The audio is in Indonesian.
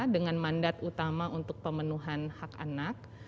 dengan mandat utama untuk pemenuhan hak anak